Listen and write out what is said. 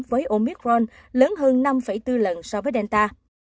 với omicron lớn hơn năm bốn lần so với delta